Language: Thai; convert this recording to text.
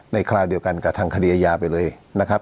คราวเดียวกันกับทางคดีอาญาไปเลยนะครับ